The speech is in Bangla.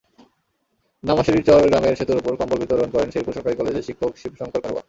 নামাশেরিরচর গ্রামের সেতুর ওপর কম্বল বিতরণ করেন শেরপুর সরকারি কলেজের শিক্ষক শিবশঙ্কর কারুয়া।